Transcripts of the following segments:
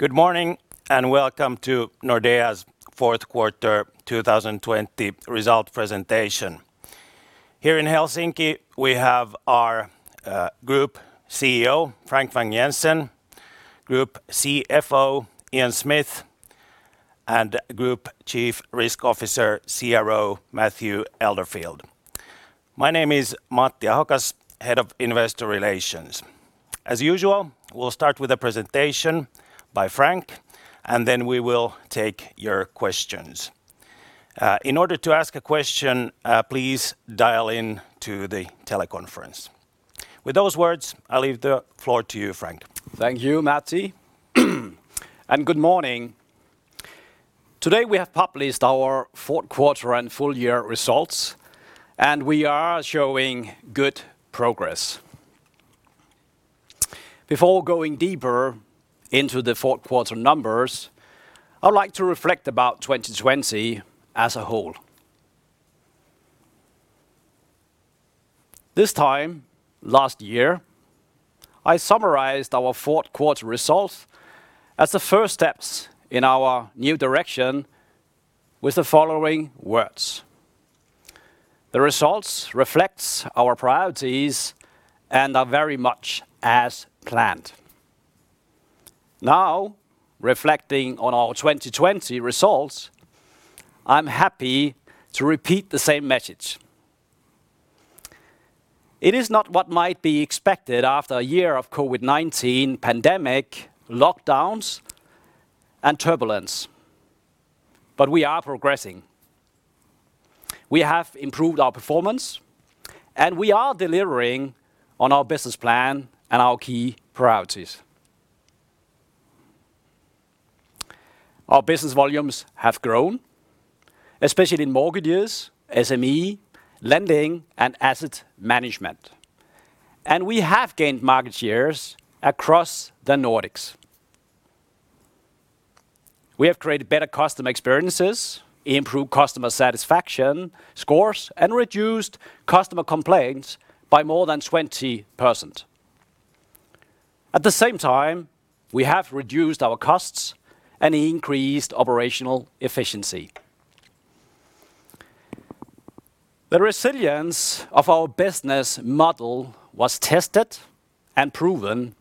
Good morning, welcome to Nordea's Fourth Quarter 2020 Result Presentation. Here in Helsinki, we have our Group CEO, Frank Vang-Jensen, Group CFO, Ian Smith, and Group Chief Risk Officer, CRO Matthew Elderfield. My name is Matti Ahokas, Head of Investor Relations. As usual, we'll start with a presentation by Frank, then we will take your questions. In order to ask a question, please dial in to the teleconference. With those words, I'll leave the floor to you, Frank. Thank you, Matti. Good morning. Today we have published our fourth quarter and full year results, and we are showing good progress. Before going deeper into the fourth quarter numbers, I'd like to reflect about 2020 as a whole. This time last year, I summarized our fourth quarter results as the first steps in our new direction with the following words: The results reflects our priorities and are very much as planned. Now, reflecting on our 2020 results, I'm happy to repeat the same message. It is not what might be expected after a year of COVID-19 pandemic, lockdowns, and turbulence. We are progressing. We have improved our performance, and we are delivering on our business plan and our key priorities. Our business volumes have grown, especially in mortgages, SME, lending, and asset management, and we have gained market shares across the Nordics. We have created better customer experiences, improved customer satisfaction scores, and reduced customer complaints by more than 20%. At the same time, we have reduced our costs and increased operational efficiency. The resilience of our business model was tested and proven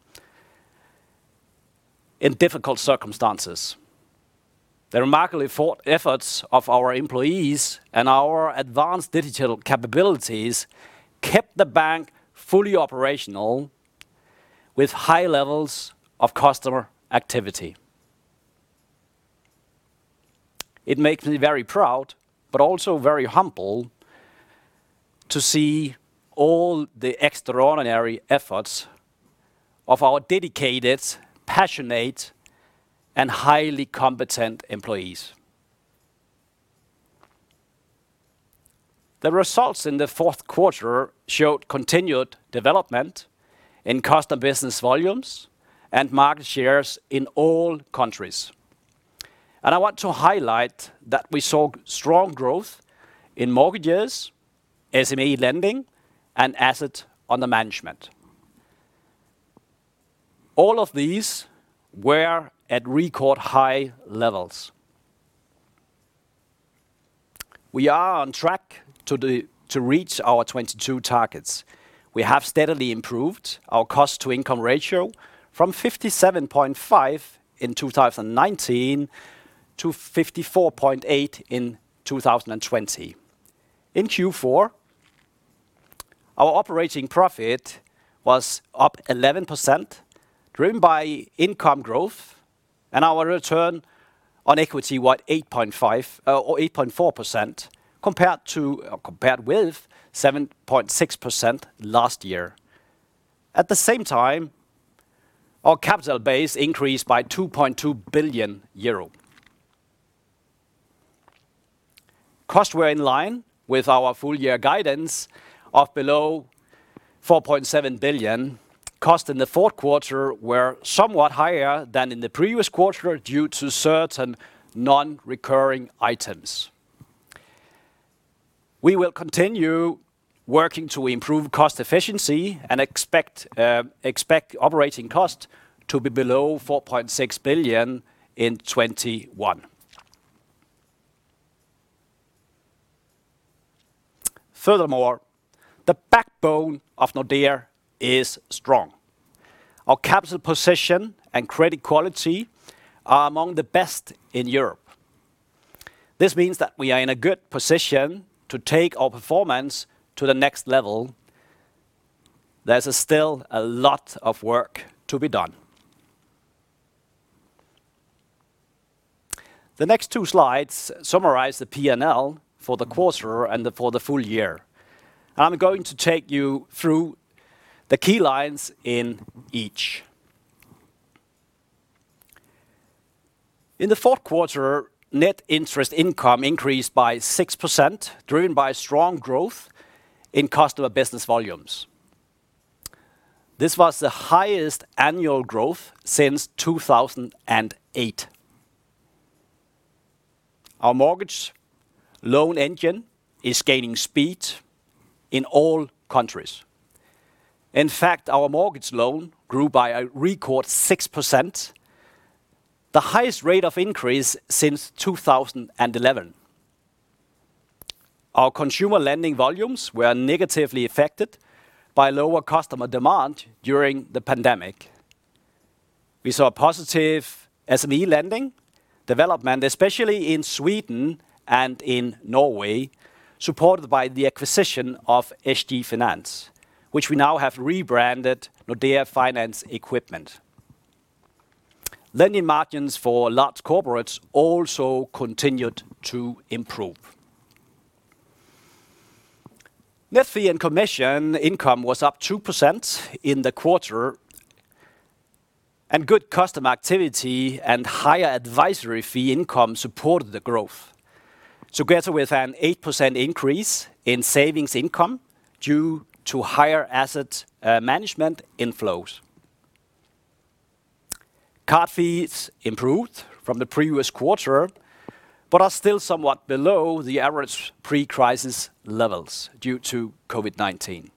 in difficult circumstances. The remarkable efforts of our employees and our advanced digital capabilities kept the bank fully operational with high levels of customer activity. It makes me very proud, but also very humble to see all the extraordinary efforts of our dedicated, passionate, and highly competent employees. The results in the fourth quarter showed continued development in customer business volumes and market shares in all countries. I want to highlight that we saw strong growth in mortgages, SME lending, and assets under management. All of these were at record high levels. We are on track to reach our 2022 targets. We have steadily improved our cost-to-income ratio from 57.5 in 2019 to 54.8 in 2020. In Q4, our operating profit was up 11%, driven by income growth, and our return on equity was 8.4% compared with 7.6% last year. At the same time, our capital base increased by 2.2 billion euro. Costs were in line with our full year guidance of below 4.7 billion. Costs in the fourth quarter were somewhat higher than in the previous quarter due to certain non-recurring items. We will continue working to improve cost efficiency and expect operating costs to be below 4.6 billion in 2021. Furthermore, the backbone of Nordea is strong. Our capital position and credit quality are among the best in Europe. This means that we are in a good position to take our performance to the next level. There's still a lot of work to be done. The next two slides summarize the P&L for the quarter and for the full year. I'm going to take you through the key lines in each. In the fourth quarter, net interest income increased by 6%, driven by strong growth in customer business volumes. This was the highest annual growth since 2008. Our mortgage loan engine is gaining speed in all countries. In fact, our mortgage loan grew by a record 6%, the highest rate of increase since 2011. Our consumer lending volumes were negatively affected by lower customer demand during the pandemic. We saw positive SME lending development, especially in Sweden and in Norway, supported by the acquisition of SG Finans, which we now have rebranded Nordea Finance Equipment. Lending margins for large corporates also continued to improve. Net fee and commission income was up 2% in the quarter, and good customer activity and higher advisory fee income supported the growth, together with an 8% increase in savings income due to higher asset management inflows. Card fees improved from the previous quarter, but are still somewhat below the average pre-crisis levels due to COVID-19.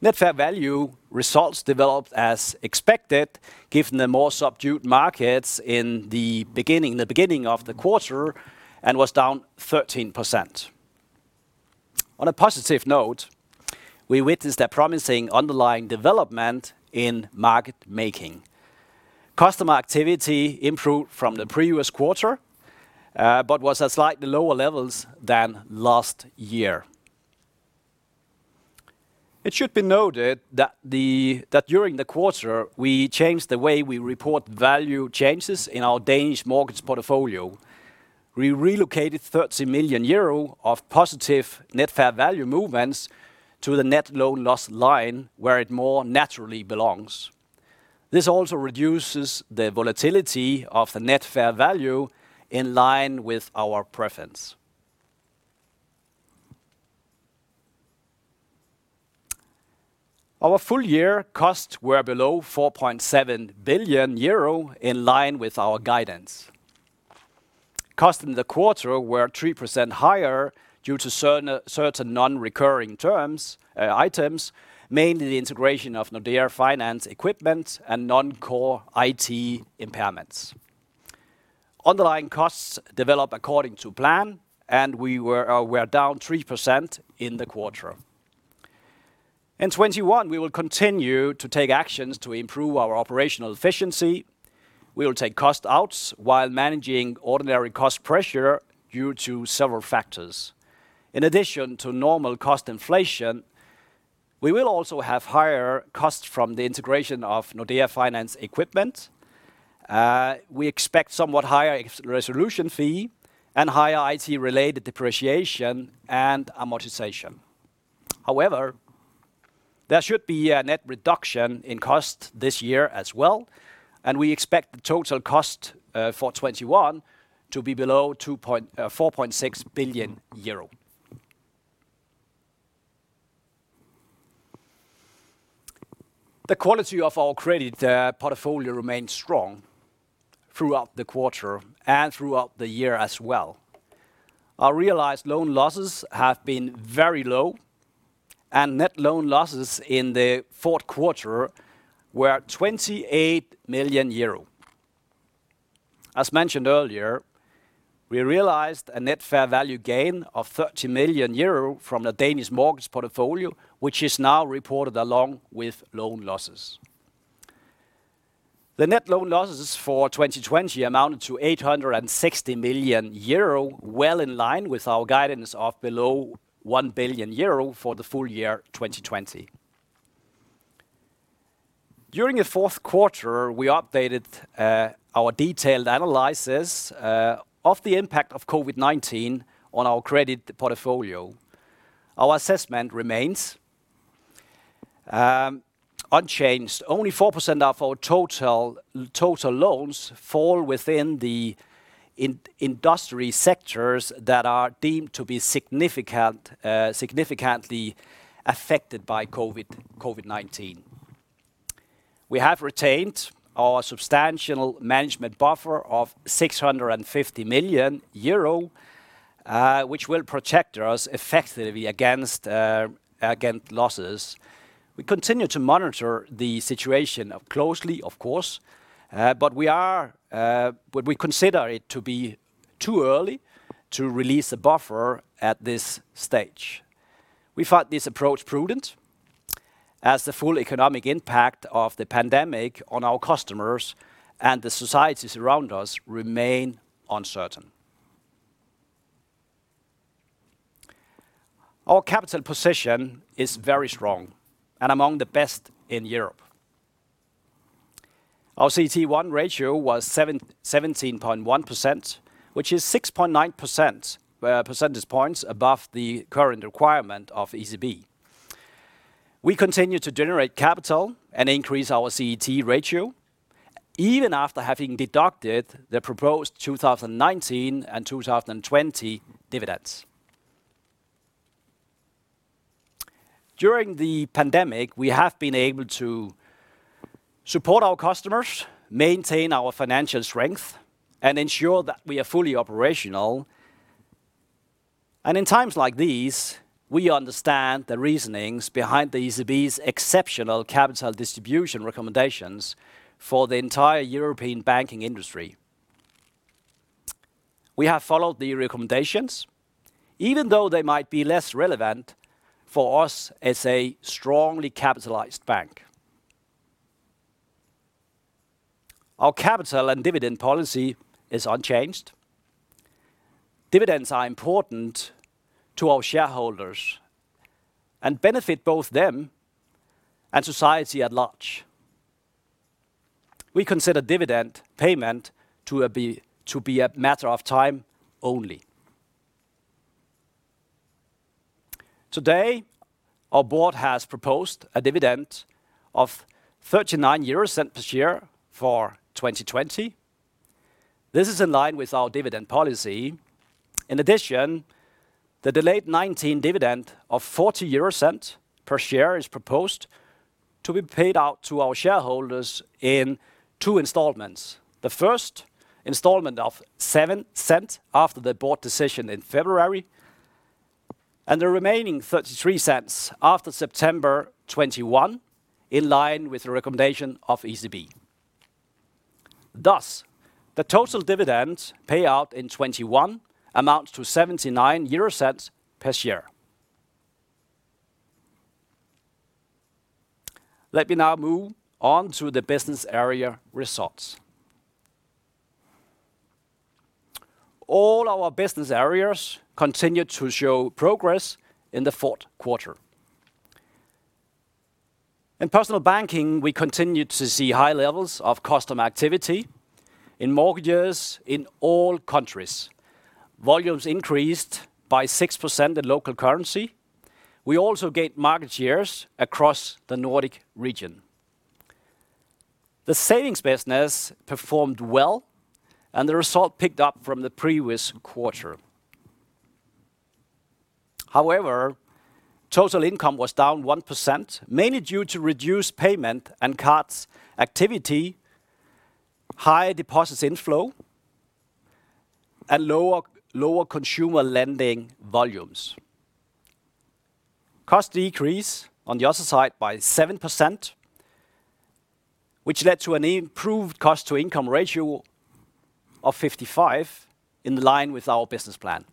Net fair value results developed as expected, given the more subdued markets in the beginning of the quarter and was down 13%. On a positive note, we witnessed a promising underlying development in market making. Customer activity improved from the previous quarter, but was at slightly lower levels than last year. It should be noted that during the quarter, we changed the way we report value changes in our Danish mortgage portfolio. We relocated 30 million euro of positive net fair value movements to the net loan loss line, where it more naturally belongs. This also reduces the volatility of the net fair value in line with our preference. Our full year costs were below 4.7 billion euro, in line with our guidance. Costs in the quarter were 3% higher due to certain non-recurring terms and items, mainly the integration of Nordea Finance Equipment and non-core IT impairments. Underlying costs develop according to plan. We are down 3% in the quarter. In 2021, we will continue to take actions to improve our operational efficiency. We will take cost outs while managing ordinary cost pressure due to several factors. In addition to normal cost inflation, we will also have higher costs from the integration of Nordea Finance Equipment. We expect somewhat higher resolution fee and higher IT-related depreciation and amortization. However, there should be a net reduction in cost this year as well, and we expect the total cost for 2021 to be below 4.6 billion euro. The quality of our credit portfolio remained strong throughout the quarter and throughout the year as well. Our realized loan losses have been very low, and net loan losses in the fourth quarter were 28 million euro. As mentioned earlier, we realized a net fair value gain of 30 million euro from the Danish mortgage portfolio, which is now reported along with loan losses. The net loan losses for 2020 amounted to 860 million euro, well in line with our guidance of below 1 billion euro for the full year 2020. During the fourth quarter, we updated our detailed analysis of the impact of COVID-19 on our credit portfolio. Our assessment remains unchanged. Only 4% of our total loans fall within the industry sectors that are deemed to be significantly affected by COVID-19. We have retained our substantial management buffer of 650 million euro, which will protect us effectively against losses. We continue to monitor the situation closely, of course, we consider it to be too early to release a buffer at this stage. We find this approach prudent as the full economic impact of the pandemic on our customers and the societies around us remain uncertain. Our capital position is very strong and among the best in Europe. Our CET1 ratio was 17.1%, which is 6.9 percentage points above the current requirement of ECB. We continue to generate capital and increase our CET ratio even after having deducted the proposed 2019 and 2020 dividends. During the pandemic, we have been able to support our customers, maintain our financial strength, and ensure that we are fully operational. In times like these, we understand the reasonings behind the ECB's exceptional capital distribution recommendations for the entire European banking industry. We have followed the recommendations, even though they might be less relevant for us as a strongly capitalized bank. Our capital and dividend policy is unchanged. Dividends are important to our shareholders and benefit both them and society at large. We consider dividend payment to be a matter of time only. Today, our board has proposed a dividend of 0.39 per share for 2020. This is in line with our dividend policy. In addition, the delayed 2019 dividend of 0.40 per share is proposed to be paid out to our shareholders in two installments. The first installment of 0.07 after the board decision in February, and the remaining 0.33 after September 2021, in line with the recommendation of ECB. The total dividend payout in 2021 amounts to 0.79 per share. Let me now move on to the business area results. All our business areas continued to show progress in the fourth quarter. In personal banking, we continued to see high levels of customer activity in mortgages in all countries. Volumes increased by 6% in local currency. We also gained market shares across the Nordic region. The savings business performed well, and the result picked up from the previous quarter. Total income was down 1%, mainly due to reduced payment and cards activity, high deposits inflow, and lower consumer lending volumes. Costs decreased, on the other side, by 7%, which led to an improved cost-to-income ratio of 55, in line with our business plan.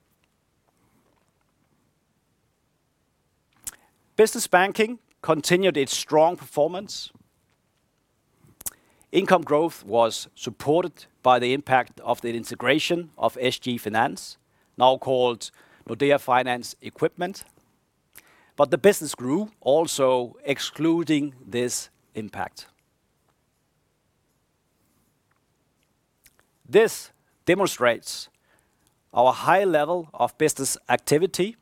Business banking continued its strong performance. Income growth was supported by the impact of the integration of SG Finans, now called Nordea Finance Equipment. The business grew also excluding this impact. This demonstrates our high level of business activity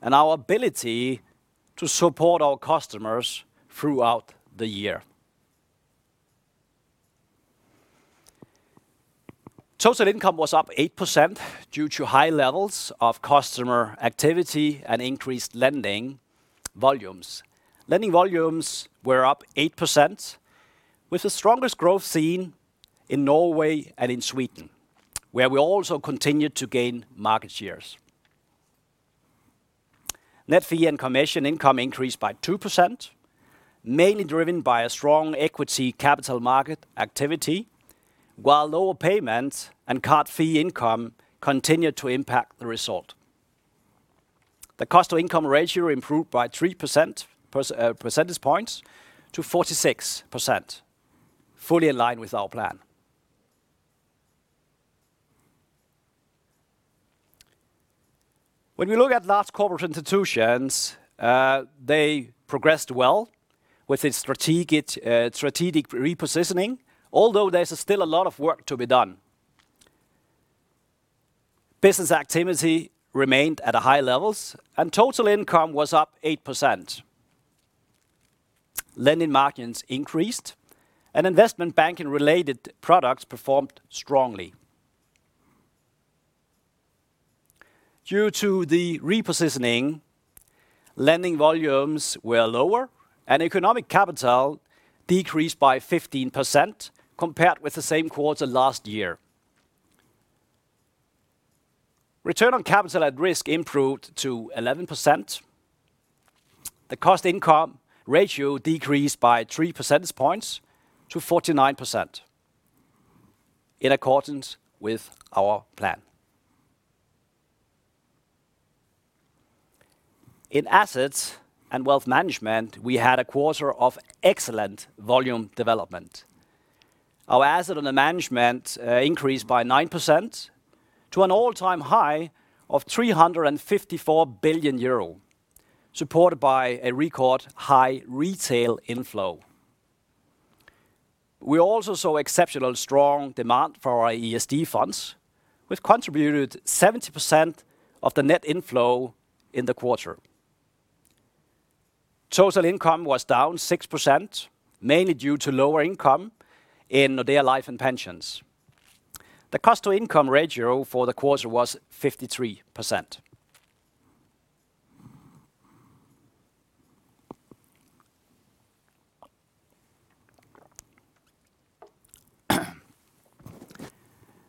and our ability to support our customers throughout the year. Total income was up 8% due to high levels of customer activity and increased lending volumes. Lending volumes were up 8%, with the strongest growth seen in Norway and in Sweden, where we also continued to gain market shares. Net fee and commission income increased by 2%, mainly driven by a strong equity capital market activity, while lower payment and card fee income continued to impact the result. The cost-to-income ratio improved by 3 percentage points to 46%, fully in line with our plan. When we look at Large Corporates & Institutions, they progressed well with its strategic repositioning, although there's still a lot of work to be done. Business activity remained at high levels, and total income was up 8%. Lending margins increased, and investment banking-related products performed strongly. Due to the repositioning, lending volumes were lower, and economic capital decreased by 15% compared with the same quarter last year. Return on capital at risk improved to 11%. The cost-to-income ratio decreased by 3 percentage points to 49%, in accordance with our plan. In Asset & Wealth Management, we had a quarter of excellent volume development. Our asset under management increased by 9% to an all-time high of 354 billion euro, supported by a record high retail inflow. We also saw exceptional strong demand for our ESG funds, which contributed 70% of the net inflow in the quarter. Total income was down 6%, mainly due to lower income in Nordea Life & Pensions. The cost-to-income ratio for the quarter was 53%.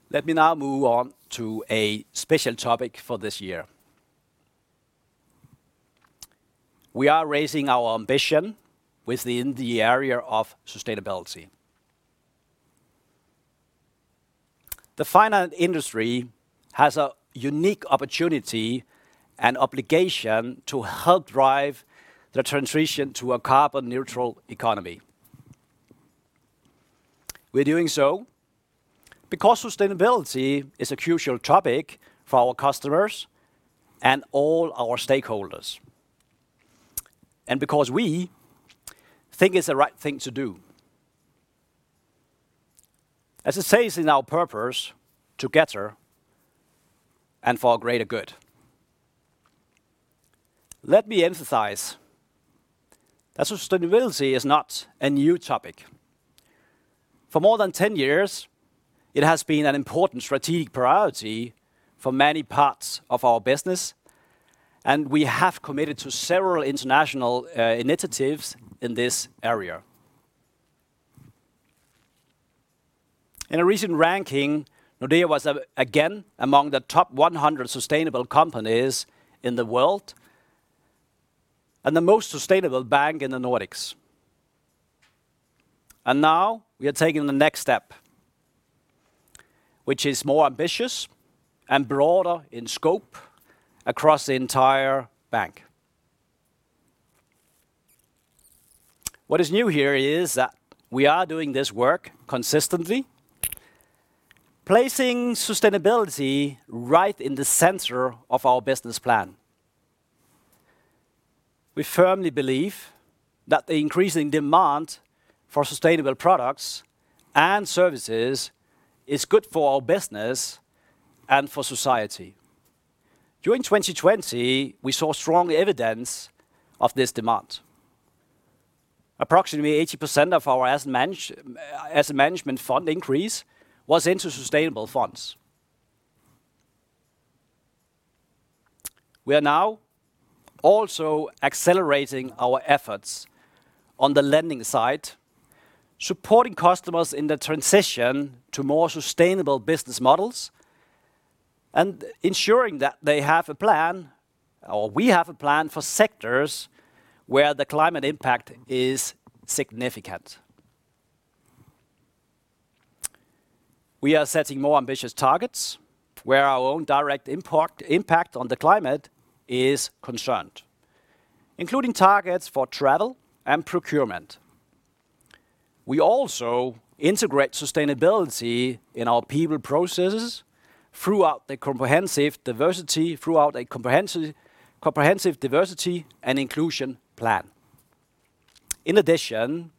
Let me now move on to a special topic for this year. We are raising our ambition within the area of sustainability. The finance industry has a unique opportunity and obligation to help drive the transition to a carbon neutral economy. We're doing so because sustainability is a crucial topic for our customers and all our stakeholders, because we think it's the right thing to do. As it says in our purpose, together and for a greater good. Let me emphasize that sustainability is not a new topic. For more than 10 years, it has been an important strategic priority for many parts of our business, and we have committed to several international initiatives in this area. In a recent ranking, Nordea was again among the top 100 sustainable companies in the world, and the most sustainable bank in the Nordics. Now we are taking the next step, which is more ambitious and broader in scope across the entire bank. What is new here is that we are doing this work consistently, placing sustainability right in the center of our business plan. We firmly believe that the increasing demand for sustainable products and services is good for our business and for society. During 2020, we saw strong evidence of this demand. Approximately 80% of our asset management fund increase was into sustainable funds. We are now also accelerating our efforts on the lending side, supporting customers in the transition to more sustainable business models, and ensuring that they have a plan, or we have a plan for sectors where the climate impact is significant. We are setting more ambitious targets where our own direct impact on the climate is concerned, including targets for travel and procurement. We also integrate sustainability in our people processes throughout a comprehensive diversity and inclusion plan. In addition,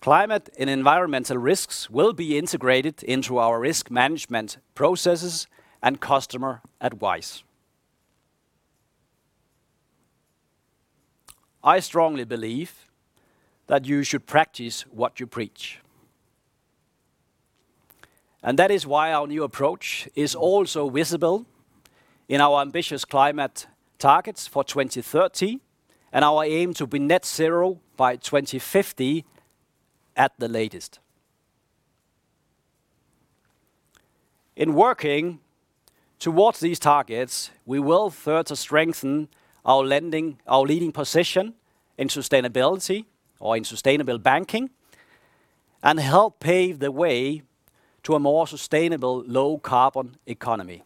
climate and environmental risks will be integrated into our risk management processes and customer advice. I strongly believe that you should practice what you preach, and that is why our new approach is also visible in our ambitious climate targets for 2030 and our aim to be net zero by 2050 at the latest. In working towards these targets, we will further strengthen our leading position in sustainable banking, and help pave the way to a more sustainable low-carbon economy.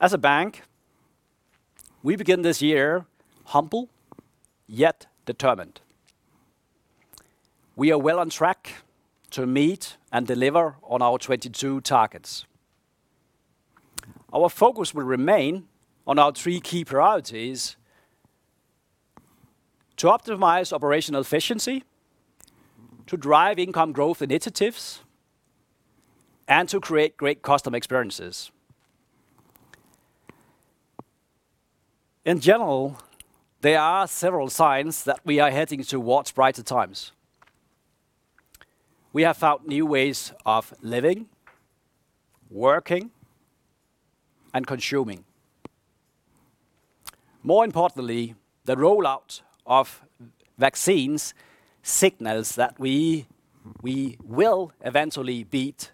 As a bank, we begin this year humble, yet determined. We are well on track to meet and deliver on our 2022 targets. Our focus will remain on our three key priorities: to optimize operational efficiency, to drive income growth initiatives, and to create great customer experiences. In general, there are several signs that we are heading towards brighter times. We have found new ways of living, working, and consuming. More importantly, the rollout of vaccines signals that we will eventually beat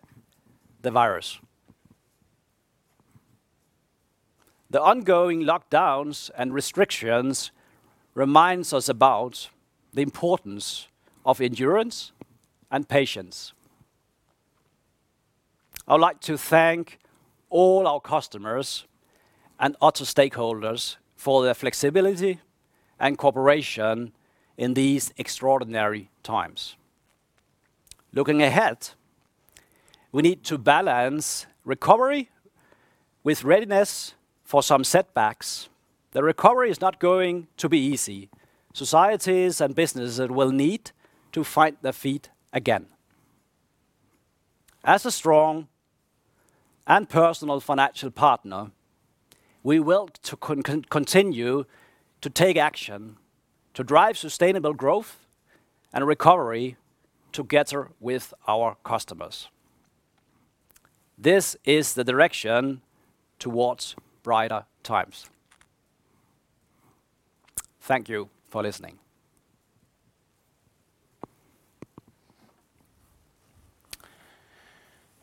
the virus. The ongoing lockdowns and restrictions reminds us about the importance of endurance and patience. I would like to thank all our customers and other stakeholders for their flexibility and cooperation in these extraordinary times. Looking ahead, we need to balance recovery with readiness for some setbacks. The recovery is not going to be easy. Societies and businesses will need to find their feet again. As a strong and personal financial partner, we will continue to take action to drive sustainable growth and recovery together with our customers. This is the direction towards brighter times. Thank you for listening.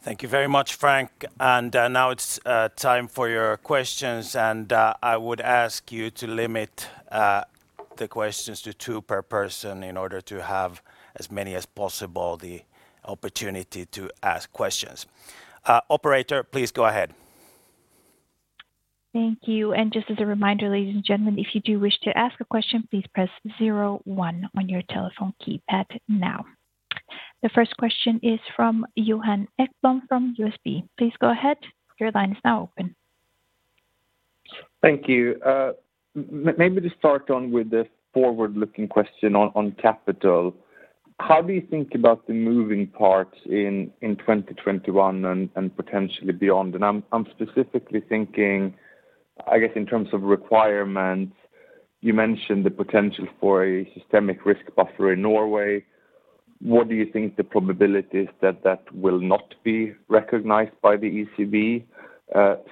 Thank you very much, Frank. Now it's time for your questions, and I would ask you to limit the questions to two per person in order to have as many as possible the opportunity to ask questions. Operator, please go ahead. Thank you. Just as a reminder, ladies and gentlemen, if you do wish to ask a question, please press zero one on your telephone keypad now. The first question is from Johan Ekblom from UBS. Please go ahead. Thank you. To start on with the forward-looking question on capital. How do you think about the moving parts in 2021 and potentially beyond? I'm specifically thinking, I guess in terms of requirements, you mentioned the potential for a systemic risk buffer in Norway. What do you think the probability is that that will not be recognized by the ECB?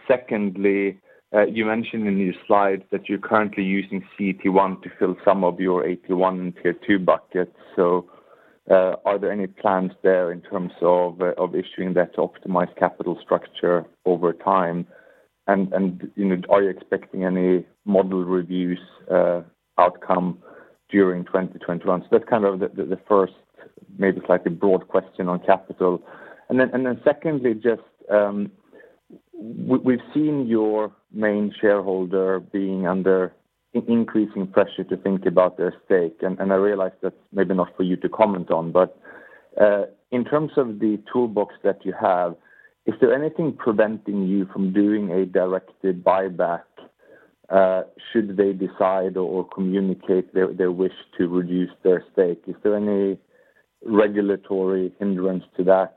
Secondly, you mentioned in your slides that you're currently using CET1 to fill some of your AT1 and Tier 2 buckets. Are there any plans there in terms of issuing that optimized capital structure over time, and are you expecting any model reviews outcome during 2021? That's the first maybe slightly broad question on capital. Secondly, we've seen your main shareholder being under increasing pressure to think about their stake. I realize that's maybe not for you to comment on, in terms of the toolbox that you have, is there anything preventing you from doing a directed buyback should they decide or communicate their wish to reduce their stake? Is there any regulatory hindrance to that?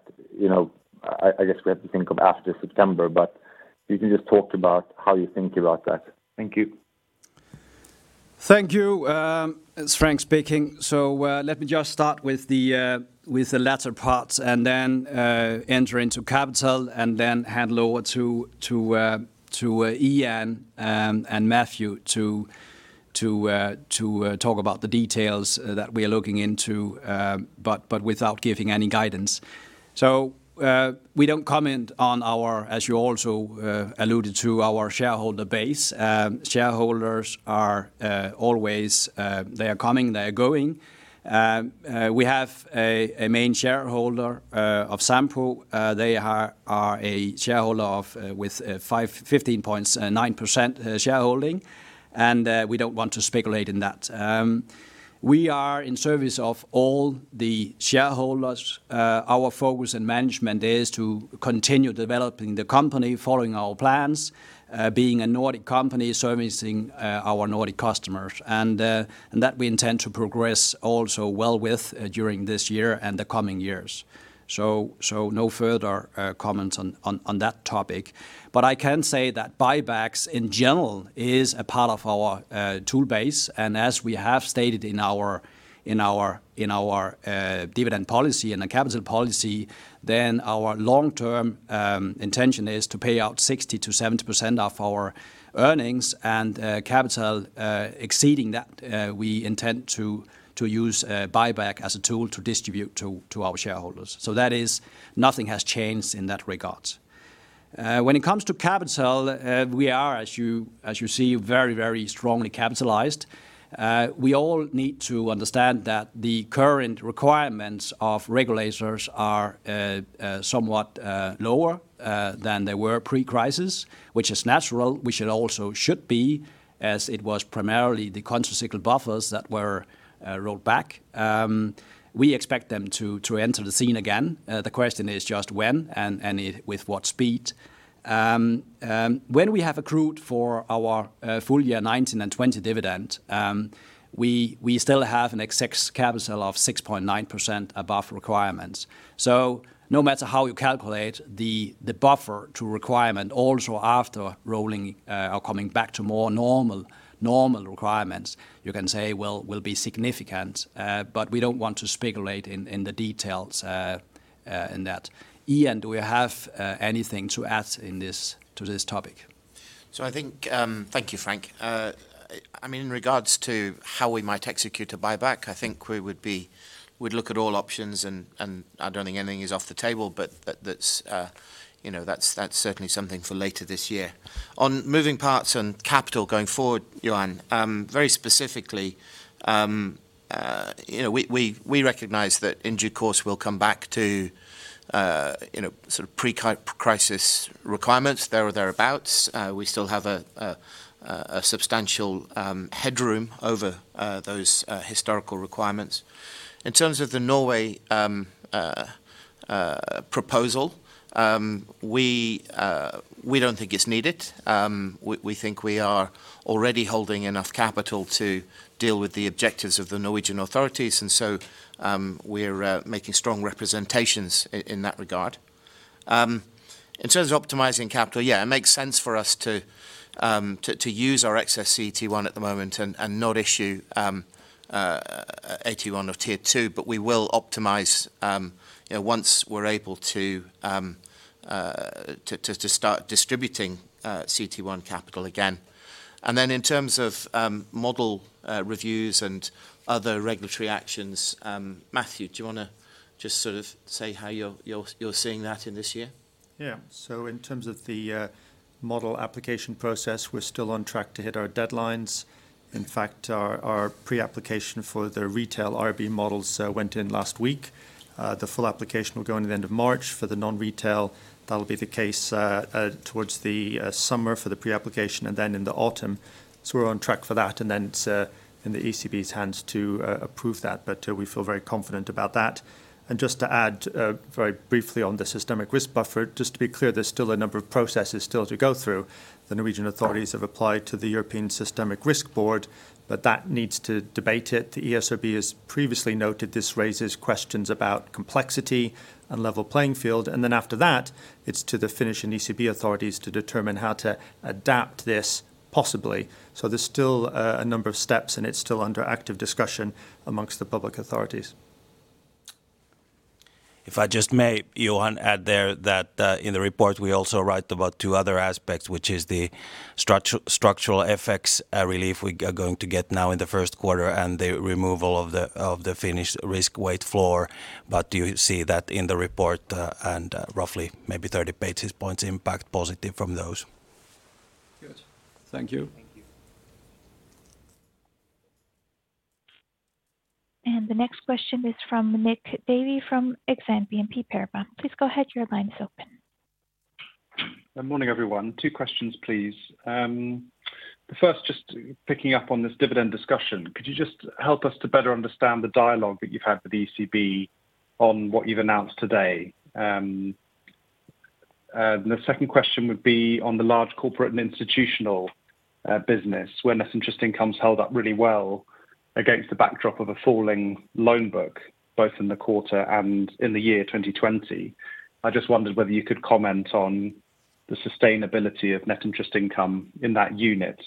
I guess we have to think of after September, if you can talk about how you think about that. Thank you. Thank you. It's Frank speaking. Let me just start with the latter parts and then enter into capital and then hand over to Ian and Matthew to talk about the details that we are looking into, but without giving any guidance. We don't comment on our, as you also alluded to, our shareholder base. Shareholders are always coming, they're going. We have a main shareholder of Sampo. They are a shareholder with 15.9% shareholding, and we don't want to speculate in that. We are in service of all the shareholders. Our focus in management is to continue developing the company following our plans, being a Nordic company servicing our Nordic customers, and that we intend to progress also well with during this year and the coming years. No further comments on that topic. I can say that buybacks, in general, is a part of our tool base, and as we have stated in our dividend policy and the capital policy, our long-term intention is to pay out 60%-70% of our earnings and capital exceeding that we intend to use buyback as a tool to distribute to our shareholders. That is nothing has changed in that regard. When it comes to capital, we are, as you see, very strongly capitalized. We all need to understand that the current requirements of regulators are somewhat lower than they were pre-crisis, which is natural, which it also should be, as it was primarily the countercyclical buffers that were rolled back. We expect them to enter the scene again. The question is just when and with what speed. When we have accrued for our full year 2019 and 2020 dividend, we still have an excess capital of 6.9% above requirements. No matter how you calculate the buffer to requirement also after rolling or coming back to more normal requirements, you can say, well, will be significant, but we don't want to speculate in the details in that. Ian, do we have anything to add to this topic? Thank you, Frank. In regards to how we might execute a buyback, I think we'd look at all options. I don't think anything is off the table, that's certainly something for later this year. On moving parts and capital going forward, Johan, very specifically, we recognize that in due course we'll come back to pre-crisis requirements there or thereabouts. We still have a substantial headroom over those historical requirements. In terms of the Norway proposal. We don't think it's needed. We think we are already holding enough capital to deal with the objectives of the Norwegian authorities. We're making strong representations in that regard. In terms of optimizing capital, it makes sense for us to use our excess CET1 at the moment and not issue AT1 or Tier 2. We will optimize once we're able to start distributing CET1 capital again. Then in terms of model reviews and other regulatory actions, Matthew, do you want to just say how you're seeing that in this year? In terms of the model application process, we're still on track to hit our deadlines. In fact, our pre-application for the retail IRB models went in last week. The full application will go in at the end of March for the non-retail. That'll be the case towards the summer for the pre-application, and then in the autumn. We're on track for that, and then it's in the ECB's hands to approve that. We feel very confident about that. Just to add very briefly on the systemic risk buffer, just to be clear, there's still a number of processes still to go through. The Norwegian authorities have applied to the European Systemic Risk Board, but that needs to debate it. The ESRB has previously noted this raises questions about complexity and level playing field. After that, it is to the Finnish and ECB authorities to determine how to adapt this possibly. There is still a number of steps, and it is still under active discussion amongst the public authorities. If I just may, Johan, add there that in the report we also write about two other aspects, which is the structural FX relief we are going to get now in the first quarter, and the removal of the Finnish risk weight floor. You see that in the report and roughly maybe 30 basis points impact positive from those. Good. Thank you. Thank you. The next question is from Nick Davey from Exane BNP Paribas. Please go ahead, your line is open. Good morning, everyone. Two questions, please. The first, just picking up on this dividend discussion, could you just help us to better understand the dialogue that you've had with the ECB on what you've announced today? The second question would be on the large corporate and institutional business, where net interest income's held up really well against the backdrop of a falling loan book, both in the quarter and in the year 2020. I just wondered whether you could comment on the sustainability of net interest income in that unit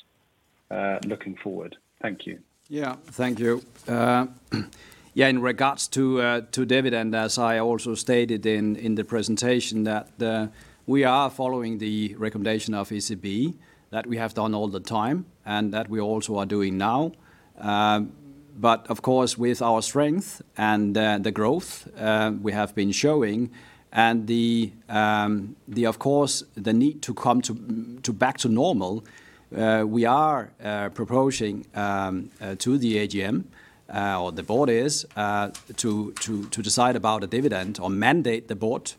looking forward. Thank you. Thank you. In regards to dividend, as I also stated in the presentation, that we are following the recommendation of ECB, that we have done all the time, and that we also are doing now. Of course, with our strength and the growth we have been showing and of course, the need to come back to normal, we are proposing to the AGM, or the board is, to decide about a dividend or mandate the board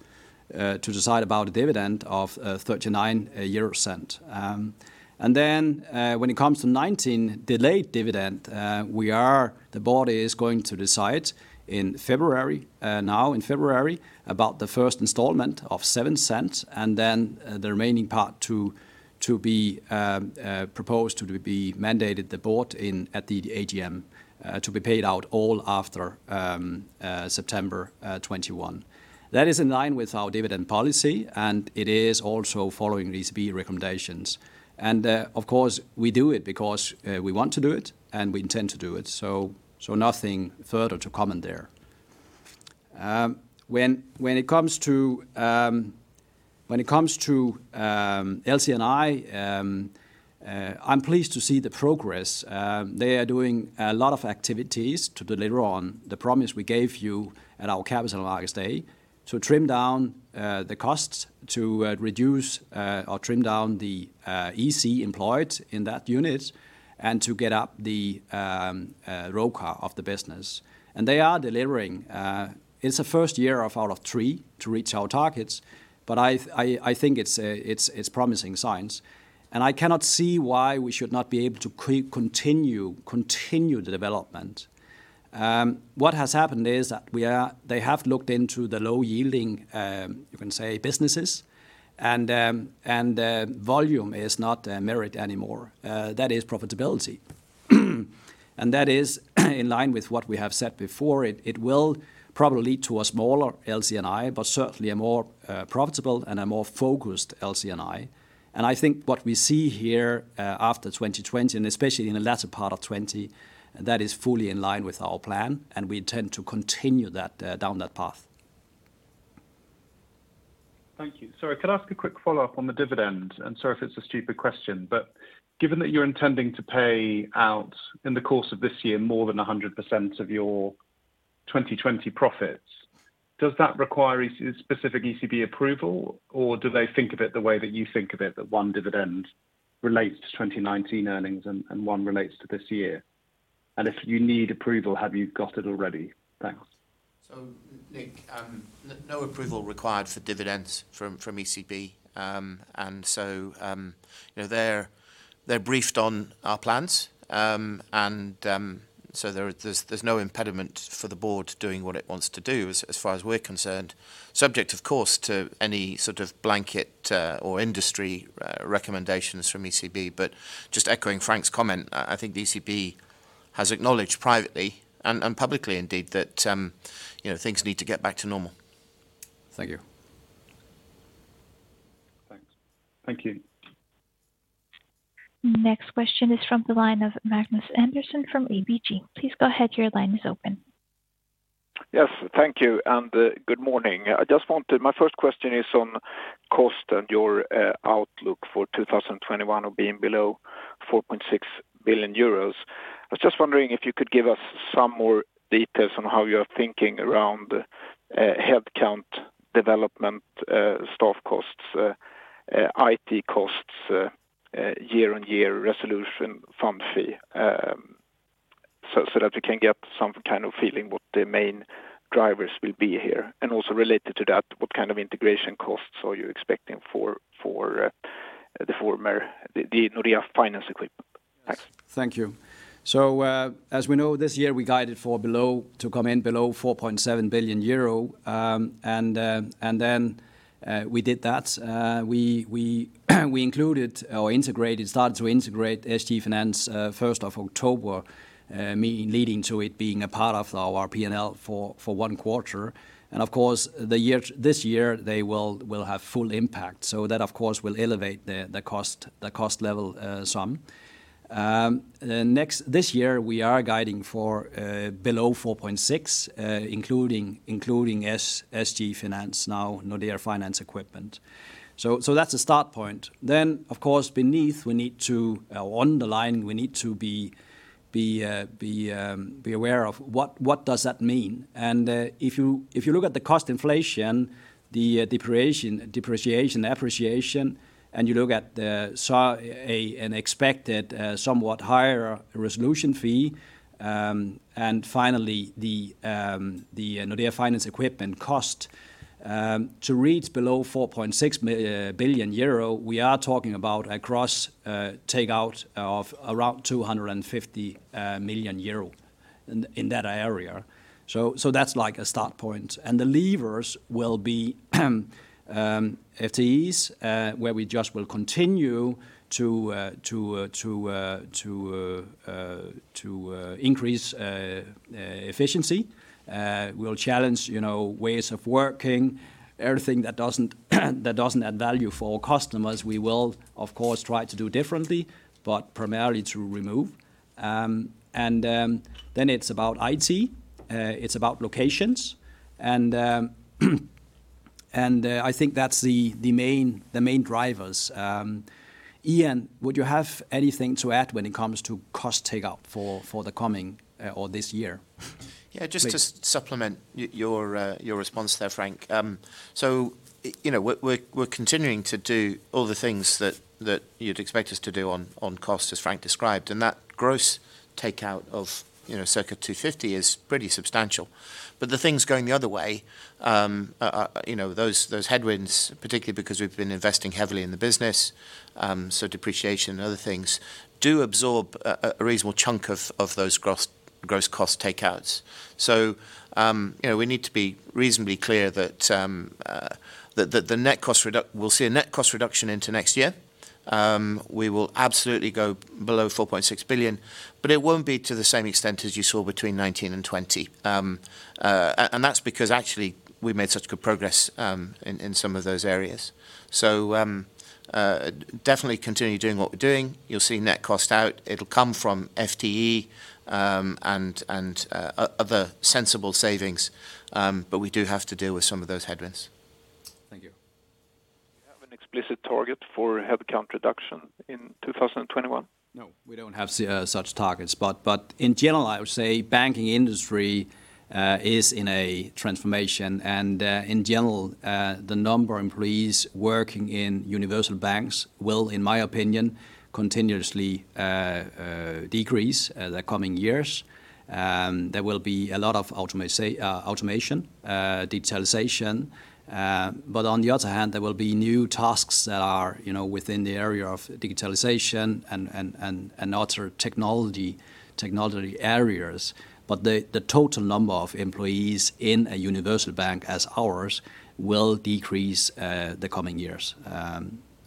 to decide about a dividend of 0.39. Then when it comes to 2019 delayed dividend, the board is going to decide now in February about the first installment of 0.07, and then the remaining part to be proposed to be mandated the board at the AGM to be paid out all after September 2021. That is in line with our dividend policy, and it is also following these key recommendations. Of course, we do it because we want to do it and we intend to do it. Nothing further to comment there. When it comes to LC&I, I'm pleased to see the progress. They are doing a lot of activities to deliver on the promise we gave you at our Capital Markets Day to trim down the costs, to reduce or trim down the EC employed in that unit, and to get up the ROCAR of the business. They are delivering. It's the first year out of three to reach our targets, but I think it's promising signs, and I cannot see why we should not be able to continue the development. What has happened is that they have looked into the low-yielding, you can say, businesses, and volume is not merit anymore. That is profitability. That is in line with what we have said before. It will probably lead to a smaller LCNI, but certainly a more profitable and a more focused LCNI. I think what we see here after 2020, and especially in the latter part of 2020, that is fully in line with our plan, and we intend to continue down that path. Thank you. Sorry, could I ask a quick follow-up on the dividend? Sorry if it's a stupid question, but given that you're intending to pay out in the course of this year more than 100% of your 2020 profits, does that require specific ECB approval, or do they think of it the way that you think of it, that one dividend relates to 2019 earnings and one relates to this year? If you need approval, have you got it already? Thanks. Nick, no approval required for dividends from ECB. They're briefed on our plans, so there's no impediment for the board doing what it wants to do, as far as we're concerned, subject, of course, to any sort of blanket or industry recommendations from ECB. Just echoing Frank's comment, I think the ECB has acknowledged privately and publicly indeed that things need to get back to normal. Thank you. Thanks. Thank you. Next question is from the line of Magnus Andersson from ABG. Please go ahead, your line is open. Yes, thank you, good morning. My first question is on cost and your outlook for 2021 of being below 4.6 billion euros. I was just wondering if you could give us some more details on how you're thinking around headcount development, staff costs, IT costs, year-on-year resolution fee, so that we can get some kind of feeling what the main drivers will be here. Also related to that, what kind of integration costs are you expecting for the Nordea Finance Equipment? Thanks. Thank you. As we know, this year we guided to come in below 4.7 billion euro, then we did that. We started to integrate SG Finans October 1, leading to it being a part of our P&L for 1 quarter. Of course, this year, they will have full impact. That, of course, will elevate the cost level some. This year, we are guiding for below 4.6 billion, including SG Finans, now Nordea Finance Equipment. That's a start point. Of course, underneath we need to underline, we need to be aware of what does that mean. If you look at the cost inflation, the depreciation and amortization, and you look at an expected somewhat higher resolution fee, and finally the Nordea Finance Equipment cost, to reach below 4.6 billion euro, we are talking about a cross takeout of around 250 million euro, in that area. That's like a start point. The levers will be FTEs, where we just will continue to increase efficiency. We'll challenge ways of working. Everything that doesn't add value for customers, we will, of course, try to do differently, but primarily to remove. It's about IT, it's about locations, and I think that's the main drivers. Ian, would you have anything to add when it comes to cost take-up for the coming or this year? Yeah, just to supplement your response there, Frank. We're continuing to do all the things that you'd expect us to do on cost, as Frank described, and that gross takeout of circa 250 million is pretty substantial. The things going the other way, those headwinds, particularly because we've been investing heavily in the business, so depreciation and other things do absorb a reasonable chunk of those gross cost takeouts. We need to be reasonably clear that we'll see a net cost reduction into next year. We will absolutely go below 4.6 billion, but it won't be to the same extent as you saw between 2019 and 2020. That's because actually, we made such good progress in some of those areas. Definitely continue doing what we're doing. You'll see net cost out. It'll come from FTE and other sensible savings, but we do have to deal with some of those headwinds. Thank you. Do you have an explicit target for headcount reduction in 2021? No, we don't have such targets. In general, I would say banking industry is in a transformation, in general the number of employees working in universal banks will, in my opinion, continuously decrease the coming years. There will be a lot of automation, digitalization. On the other hand, there will be new tasks that are within the area of digitalization and other technology areas. The total number of employees in a universal bank as ours will decrease the coming years.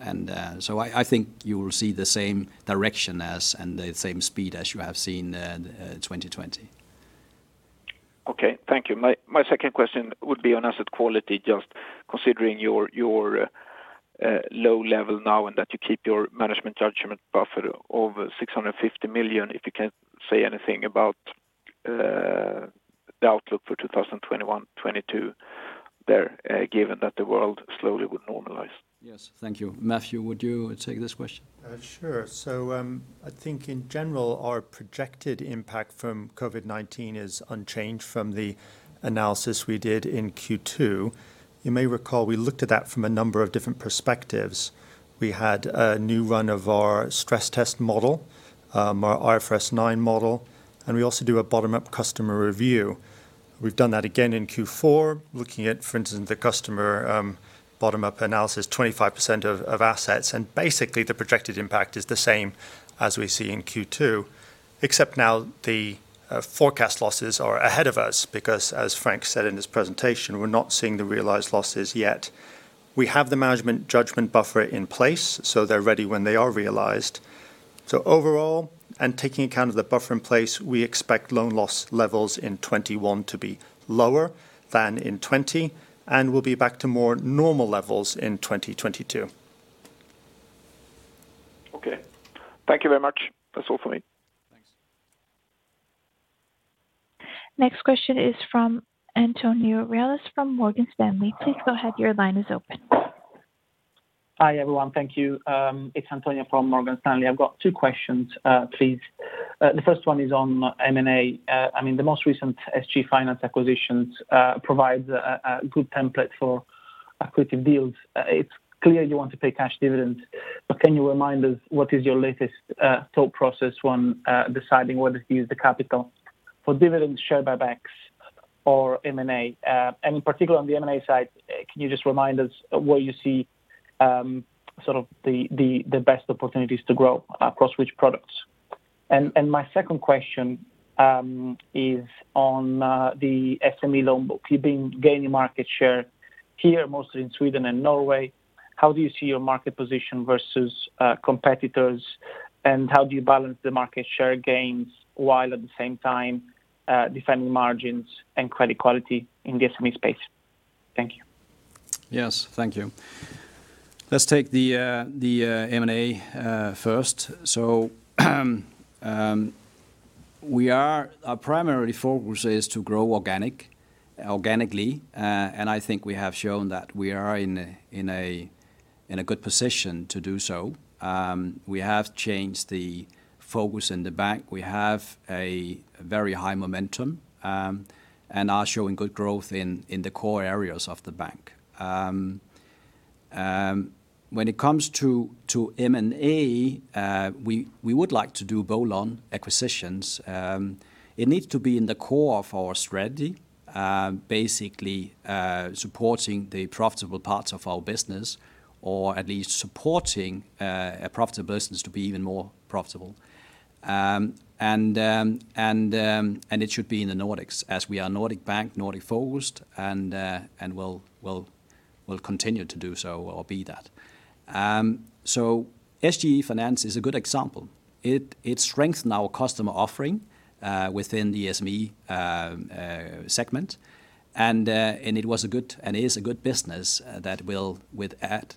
I think you will see the same direction and the same speed as you have seen 2020. Okay. Thank you. My second question would be on asset quality, just considering your low level now and that you keep your management judgment buffer over 650 million, if you can say anything about the outlook for 2021, 2022 there, given that the world slowly would normalize. Yes. Thank you. Matthew, would you take this question? Sure. I think in general, our projected impact from COVID-19 is unchanged from the analysis we did in Q2. You may recall we looked at that from a number of different perspectives. We had a new run of our stress test model, our IFRS 9 model, and we also do a bottom-up customer review. We've done that again in Q4, looking at, for instance, the customer bottom-up analysis, 25% of assets. Basically the projected impact is the same as we see in Q2, except now the forecast losses are ahead of us because, as Frank said in his presentation, we're not seeing the realized losses yet. We have the management judgment buffer in place. They're ready when they are realized. Overall, and taking account of the buffer in place, we expect loan loss levels in 2021 to be lower than in 2020. We'll be back to more normal levels in 2022. Okay. Thank you very much. That's all for me. Thanks. Next question is from Antonio Reale from Morgan Stanley. Please go ahead. Your line is open. Hi, everyone. Thank you. It's Antonio from Morgan Stanley. I've got two questions, please. The first one is on M&A. The most recent SG Finans acquisitions provides a good template for acquisitive deals. It's clear you want to pay cash dividends, but can you remind us what is your latest thought process when deciding whether to use the capital for dividends, share buybacks or M&A? In particular, on the M&A side, can you just remind us where you see the best opportunities to grow, across which products? My second question is on the SME loan book. You've been gaining market share here, mostly in Sweden and Norway. How do you see your market position versus competitors, and how do you balance the market share gains while at the same time defending margins and credit quality in the SME space? Thank you. Yes, thank you. Let's take the M&A first. Our primary focus is to grow organically, and I think we have shown that we are in a good position to do so. We have changed the focus in the bank. We have a very high momentum, and are showing good growth in the core areas of the bank. When it comes to M&A, we would like to do bolt-on acquisitions. It needs to be in the core of our strategy, basically supporting the profitable parts of our business, or at least supporting a profitable business to be even more profitable. It should be in the Nordics as we are a Nordic bank, Nordic focused, and we'll continue to do so or be that. SG Finans is a good example. It strengthened our customer offering within the SME segment. It was a good, and is a good business that will add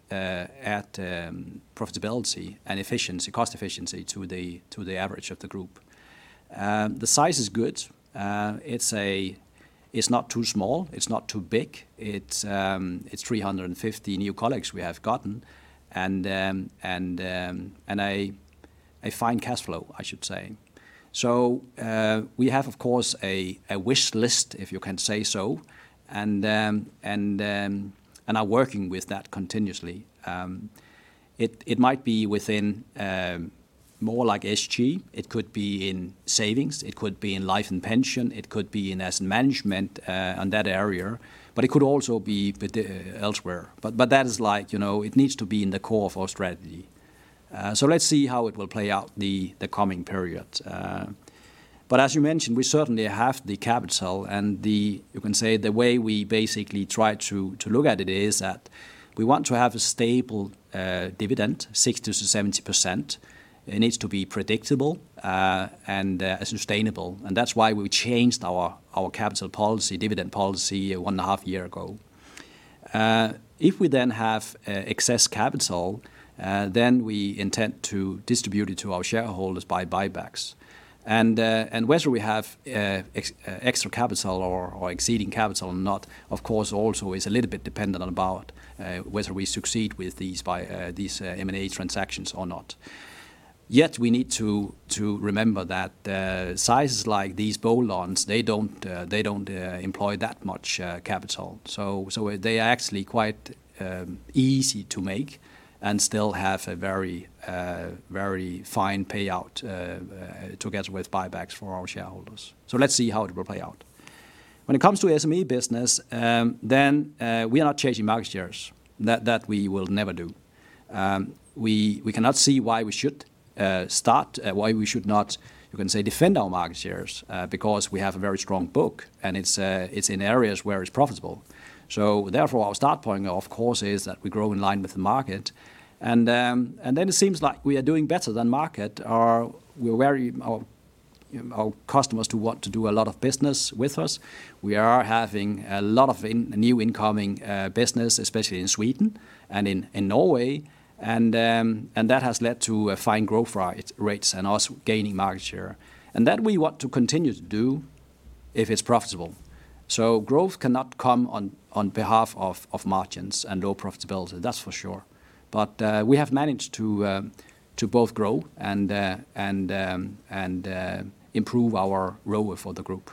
profitability and efficiency, cost efficiency to the average of the group. The size is good. It's not too small. It's not too big. It's 350 new colleagues we have gotten. A fine cash flow, I should say. We have, of course, a wish list, if you can say so, and are working with that continuously. It might be within more like SG. It could be in savings. It could be in life and pension. It could be in asset management and that area, but it could also be elsewhere. That is like it needs to be in the core of our strategy. Let's see how it will play out the coming period. As you mentioned, we certainly have the capital and you can say the way we basically try to look at it is that we want to have a stable dividend, 60%-70%. It needs to be predictable and sustainable. That's why we changed our capital policy, dividend policy, one and a half year ago. If we then have excess capital, then we intend to distribute it to our shareholders by buybacks. Whether we have extra capital or exceeding capital or not, of course, also is a little bit dependent on about whether we succeed with these M&A transactions or not. Yet we need to remember that sizes like these bolt-ons, they don't employ that much capital. They are actually quite easy to make and still have a very fine payout together with buybacks for our shareholders. Let's see how it will play out. When it comes to SME business, we are not changing market shares. That we will never do. We cannot see why we should start, why we should not, you can say, defend our market shares because we have a very strong book and it's in areas where it's profitable. Therefore, our start point, of course, is that we grow in line with the market. It seems like we are doing better than market. Our customers want to do a lot of business with us. We are having a lot of new incoming business, especially in Sweden and in Norway, that has led to fine growth rates and us gaining market share. That we want to continue to do if it's profitable. Growth cannot come on behalf of margins and low profitability, that's for sure. We have managed to both grow and improve our ROA for the group.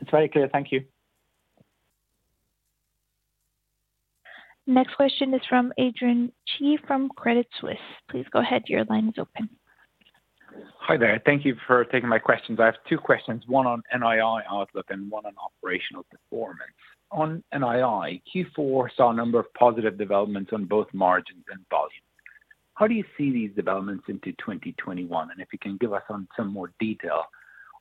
It's very clear. Thank you. Next question is from Adrian Cighi from Credit Suisse. Please go ahead. Your line is open. Hi there. Thank you for taking my questions. I have two questions, one on NII outlook and one on operational performance. On NII, Q4 saw a number of positive developments on both margins and volumes. How do you see these developments into 2021? If you can give us on some more detail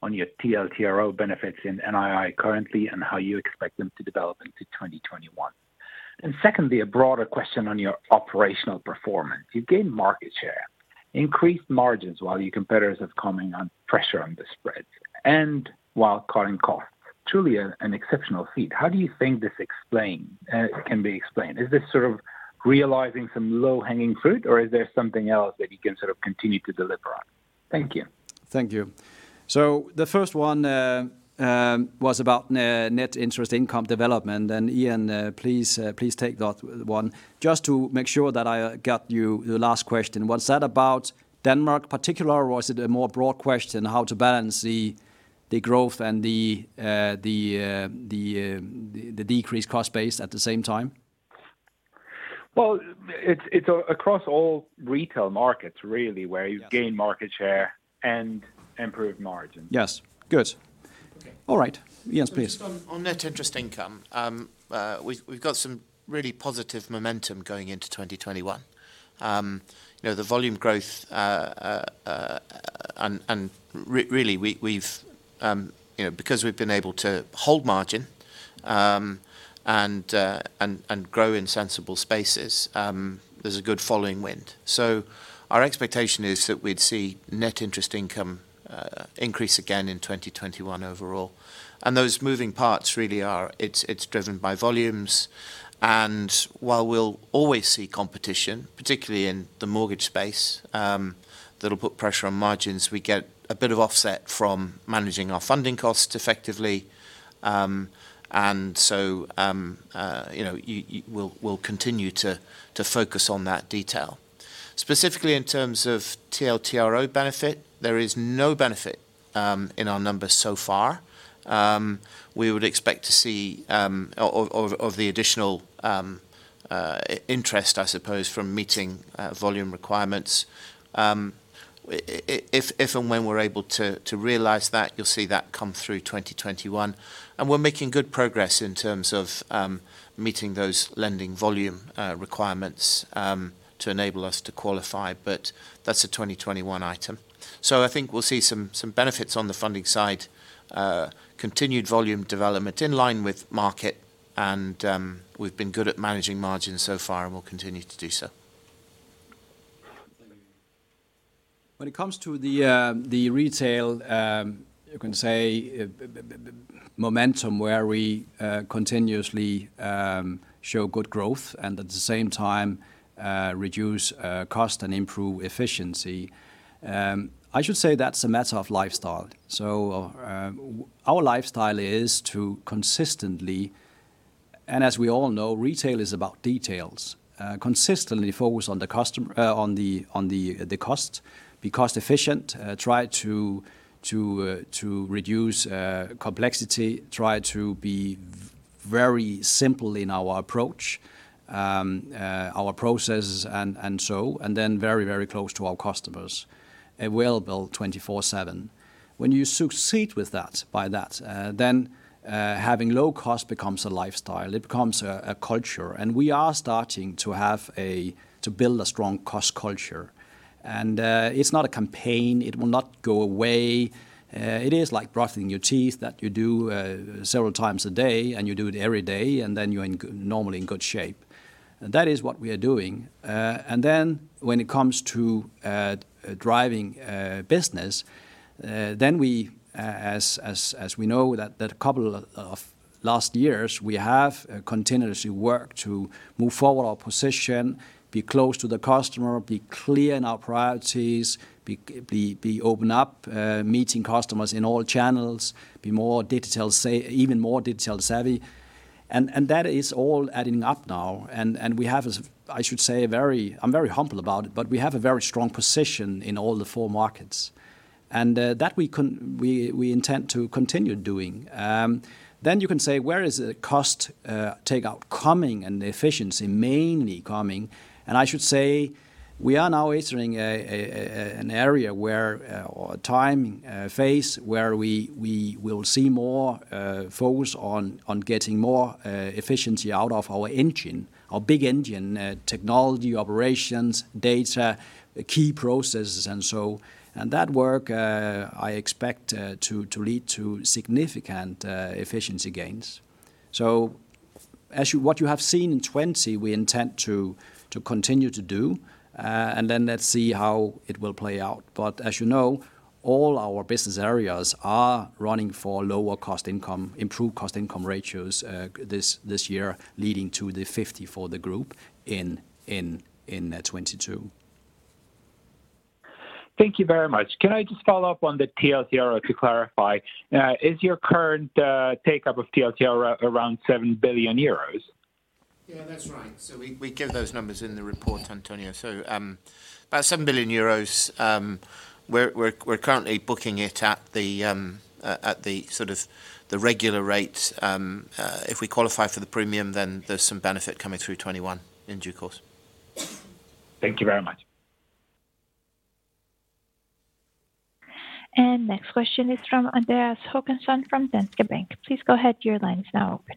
on your TLTRO benefits in NII currently, and how you expect them to develop into 2021. Secondly, a broader question on your operational performance. You've gained market share, increased margins while your competitors have come in on pressure on the spreads, and while cutting costs. Truly an exceptional feat. How do you think this can be explained? Is this sort of realizing some low-hanging fruit, or is there something else that you can continue to deliver on? Thank you. Thank you. The first one was about net interest income development. Ian, please take that one. Just to make sure that I got you the last question. Was that about Denmark particular, or was it a more broad question, how to balance the growth and the decreased cost base at the same time? Well, it's across all retail markets, really, where you've gained market share and improved margins. Yes. Good. Okay. All right. Ian, please. Just on net interest income. We've got some really positive momentum going into 2021. The volume growth, and really, because we've been able to hold margin, and grow in sensible spaces, there's a good following wind. Our expectation is that we'd see net interest income increase again in 2021 overall. Those moving parts really are, it's driven by volumes. While we'll always see competition, particularly in the mortgage space, that'll put pressure on margins, we get a bit of offset from managing our funding costs effectively. We'll continue to focus on that detail. Specifically in terms of TLTRO benefit, there is no benefit in our numbers so far. We would expect to see of the additional interest, I suppose, from meeting volume requirements. If and when we're able to realize that, you'll see that come through 2021. We're making good progress in terms of meeting those lending volume requirements to enable us to qualify. That's a 2021 item. I think we'll see some benefits on the funding side, continued volume development in line with market, and we've been good at managing margins so far, and we'll continue to do so. When it comes to the retail, you can say momentum where we continuously show good growth and at the same time reduce cost and improve efficiency. I should say that's a matter of lifestyle. Our lifestyle is to consistently, and as we all know, retail is about details, consistently focus on the cost, be cost efficient, try to reduce complexity, try to be very simple in our approach, our processes and so, and then very, very close to our customers, available 24/7. When you succeed by that, then having low cost becomes a lifestyle. It becomes a culture. We are starting to build a strong cost culture. It's not a campaign, it will not go away. It is like brushing your teeth that you do several times a day, and you do it every day, and then you're normally in good shape. That is what we are doing. When it comes to driving business, then as we know that couple of last years, we have continuously worked to move forward our position, be close to the customer, be clear in our priorities, be open up, meeting customers in all channels, be even more digital savvy. That is all adding up now. We have, I should say, I'm very humble about it, but we have a very strong position in all the four markets. That we intend to continue doing. You can say, where is the cost take out coming and the efficiency mainly coming, I should say, we are now entering an area where, or a time phase where we will see more focus on getting more efficiency out of our engine, our big engine, technology, operations, data, key processes and so. That work, I expect to lead to significant efficiency gains. What you have seen in 2020, we intend to continue to do, and then let's see how it will play out. As you know, all our business areas are running for lower cost income, improved cost income ratios this year, leading to the 50% for the group in 2022. Thank you very much. Can I just follow up on the TLTRO to clarify? Is your current take-up of TLTRO around 7 billion euros? Yeah, that's right. We give those numbers in the report, Antonio. About €7 billion. We're currently booking it at the regular rate. If we qualify for the premium, then there's some benefit coming through 2021 in due course. Thank you very much. Next question is from Andreas Håkansson from Danske Bank. Please go ahead. Your line is now open.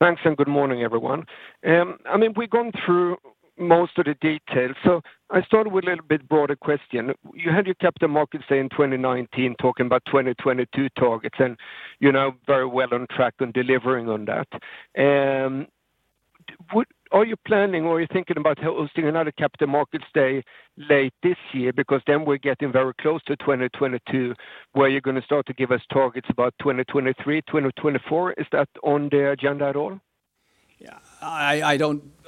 Thanks, good morning, everyone. We've gone through most of the details, so I start with a little bit broader question. You had your Capital Markets Day in 2019, talking about 2022 targets, and very well on track on delivering on that. Are you planning, or are you thinking about hosting another Capital Markets Day late this year? Because then we're getting very close to 2022, where you're going to start to give us targets about 2023, 2024. Is that on the agenda at all? Yeah. I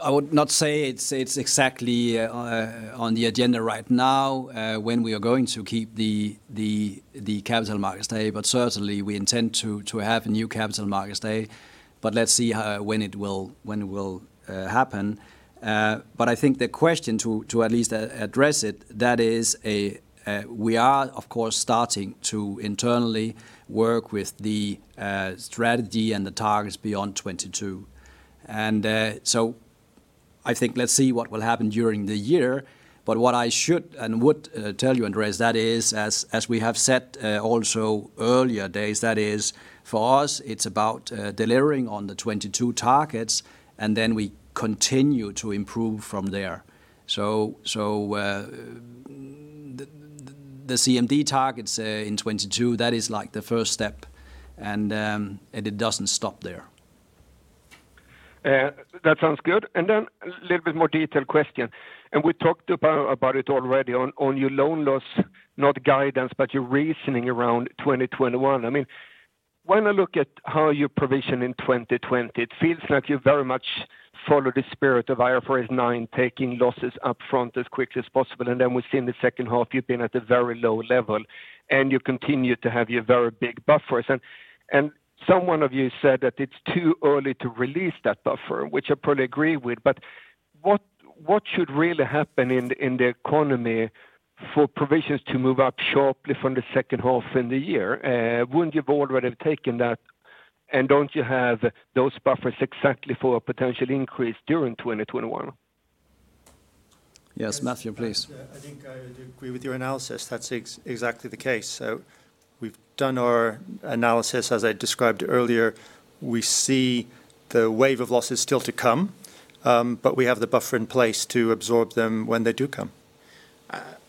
would not say it's exactly on the agenda right now, when we are going to keep the Capital Markets Day. Certainly, we intend to have a new Capital Markets Day. Let's see when it will happen. I think the question, to at least address it, that is we are, of course, starting to internally work with the strategy and the targets beyond 2022. I think let's see what will happen during the year. What I should and would tell you, Andreas, that is, as we have said also earlier days, that is for us, it's about delivering on the 2022 targets, and then we continue to improve from there. The CMD targets in 2022, that is the first step, and it doesn't stop there. That sounds good. A little bit more detailed question. We talked about it already on your loan loss, not guidance, but your reasoning around 2021. When I look at how you provision in 2020, it feels like you very much follow the spirit of IFRS 9, taking losses up front as quickly as possible. We see in the second half, you've been at a very low level, and you continue to have your very big buffers. Some one of you said that it's too early to release that buffer, which I probably agree with, but what should really happen in the economy for provisions to move up sharply from the second half in the year? Wouldn't you have already taken that, and don't you have those buffers exactly for a potential increase during 2021? Yes, Matthew, please. I think I agree with your analysis. That's exactly the case. We've done our analysis, as I described earlier. We see the wave of losses still to come. We have the buffer in place to absorb them when they do come.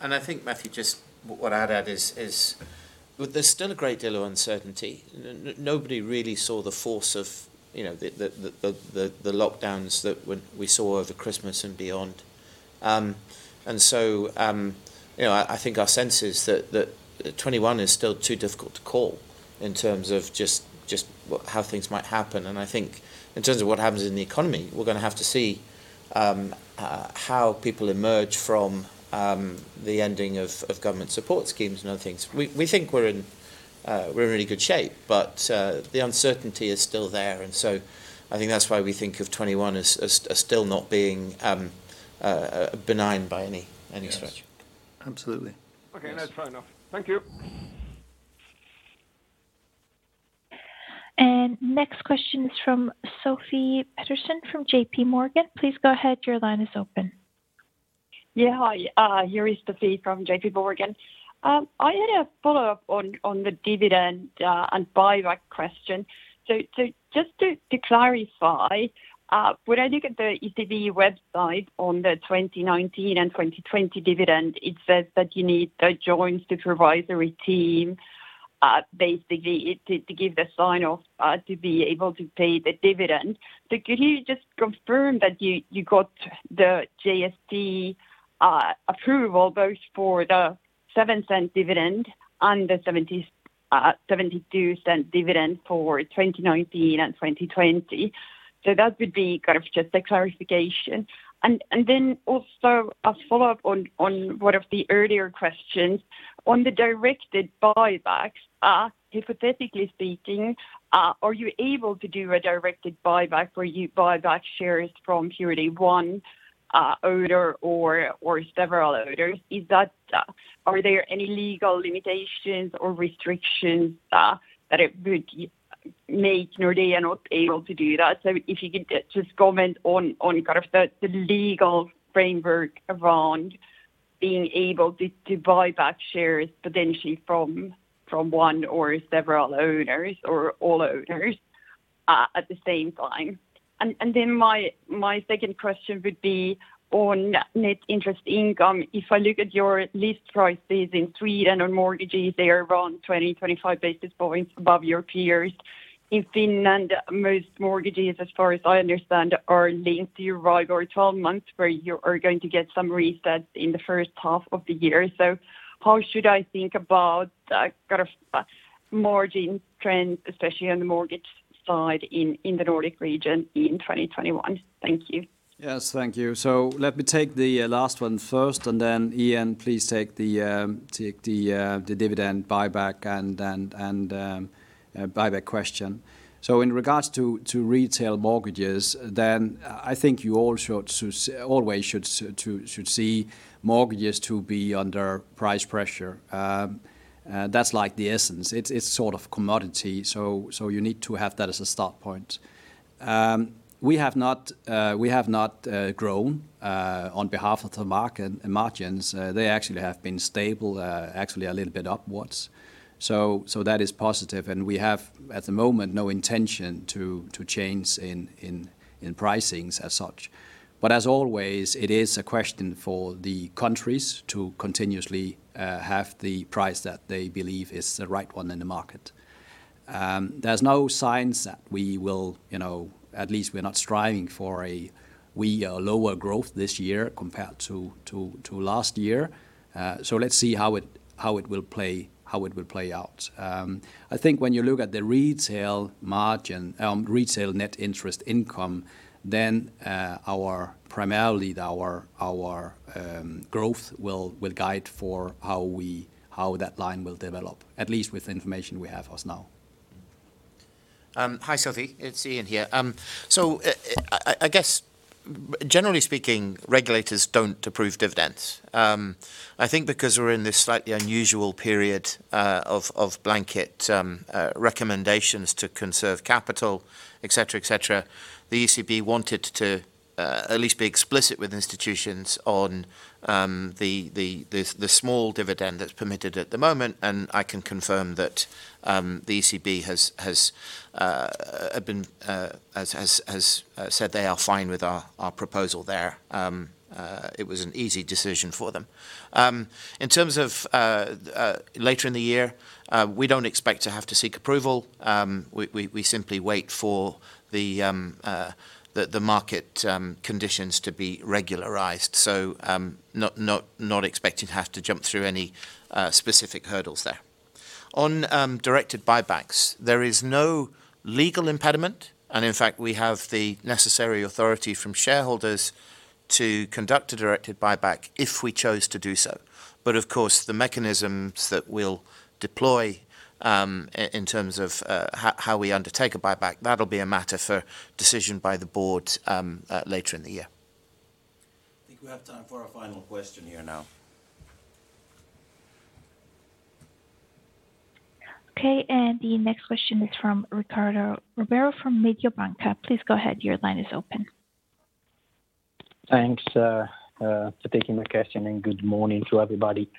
I think Matthew, just what I'd add is there's still a great deal of uncertainty. Nobody really saw the force of the lockdowns that we saw over Christmas and beyond. I think our sense is that 2021 is still too difficult to call in terms of just how things might happen. I think in terms of what happens in the economy, we're going to have to see how people emerge from the ending of government support schemes and other things. We think we're in a really good shape, but the uncertainty is still there. I think that's why we think of 2021 as still not being benign by any stretch. Yes. Absolutely. Okay, let's try now. Thank you. Next question is from Sophie Peterson from JP Morgan. Please go ahead. Your line is open. Yeah. Hi. Here is Sophie from JP Morgan. I had a follow-up on the dividend and buyback question. Just to clarify, when I look at the ECB website on the 2019 and 2020 dividend, it says that you need a Joint Supervisory Team, basically to give the sign-off to be able to pay the dividend. Could you just confirm that you got the JST approval both for the 0.07 dividend and the 0.72 dividend for 2019 and 2020? That would be kind of just a clarification. Also a follow-up on one of the earlier questions. On the directed buybacks, hypothetically speaking, are you able to do a directed buyback where you buy back shares from purely one owner or several owners? Are there any legal limitations or restrictions that it would make Nordea not able to do that? If you could just comment on kind of the legal framework around being able to buy back shares potentially from one or several owners or all owners at the same time. My second question would be on net interest income. If I look at your list prices in Sweden on mortgages, they are around 20, 25 basis points above your peers. In Finland, most mortgages, as far as I understand, are lengthy, either 12 months, where you are going to get some resets in the first half of the year. How should I think about the margin trend, especially on the mortgage side in the Nordic region in 2021? Thank you. Yes, thank you. Let me take the last one first, and then Ian, please take the dividend buyback and buyback question. In regards to retail mortgages, then I think you always should see mortgages to be under price pressure. That's like the essence. It's a sort of commodity, so you need to have that as a start point. We have not grown on behalf of the margins. They actually have been stable, actually a little bit upwards. That is positive, and we have at the moment no intention to change in pricings as such. As always, it is a question for the countries to continuously have the price that they believe is the right one in the market. There's no signs that we will, at least we're not striving for a lower growth this year compared to last year. Let's see how it will play out. I think when you look at the retail margin, retail net interest income, primarily our growth will guide for how that line will develop, at least with the information we have as of now. Hi, Sophie. It's Ian here. I guess generally speaking, regulators don't approve dividends. I think because we're in this slightly unusual period of blanket recommendations to conserve capital, et cetera. The ECB wanted to at least be explicit with institutions on the small dividend that's permitted at the moment, and I can confirm that the ECB has said they are fine with our proposal there. It was an easy decision for them. In terms of later in the year, we don't expect to have to seek approval. We simply wait for the market conditions to be regularized, so not expecting to have to jump through any specific hurdles there. On directed buybacks, there is no legal impediment, and in fact, we have the necessary authority from shareholders to conduct a directed buyback if we chose to do so. Of course, the mechanisms that we'll deploy, in terms of how we undertake a buyback, that'll be a matter for decision by the board later in the year. I think we have time for our final question here now. Okay, the next question is from Riccardo Rovere from Mediobanca. Please go ahead, your line is open. Thanks for taking my question, and good morning to everybody.